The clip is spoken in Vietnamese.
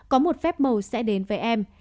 có một phép mầu sẽ đến với em